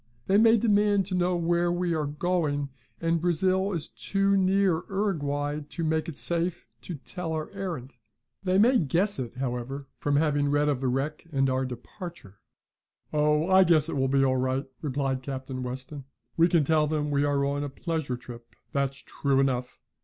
They may demand to know where we are going, and Brazil is too near Uruguay to make it safe to tell our errand. They may guess it, however, from having read of the wreck, and our departure." "Oh, I guess it will be all right," replied Captain Weston. "We can tell them we are on a pleasure trip. That's true enough.